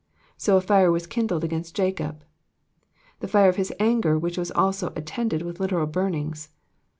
^''So a fire teas kindled against Jacob,'''* The fire of bis anger which was also attended with literal burnings.